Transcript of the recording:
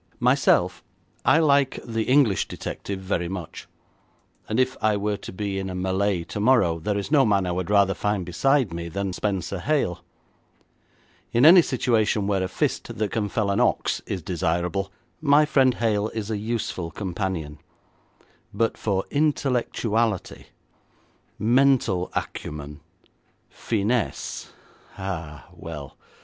Myself, I like the English detective very much, and if I were to be in a mêlée tomorrow, there is no man I would rather find beside me than Spenser Hale. In any situation where a fist that can fell an ox is desirable, my friend Hale is a useful companion, but for intellectuality, mental acumen, finesse ah, well!